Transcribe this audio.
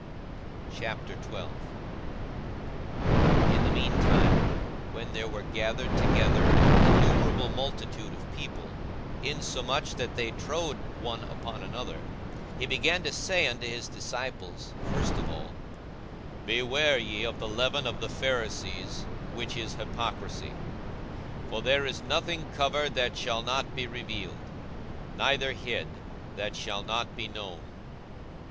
42:012:001 In the mean time, when there were gathered together an innumerable multitude of people, insomuch that they trode one upon another, he began to say unto his disciples first of all, Beware ye of the leaven of the Pharisees, which is hypocrisy. 42:012:002 For there is nothing covered, that shall not be revealed; neither hid, that shall not be known.